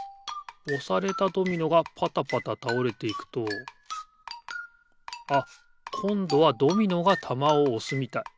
おされたドミノがぱたぱたたおれていくとあっこんどはドミノがたまをおすみたい。